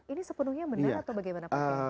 ini sepenuhnya benar atau bagaimana pak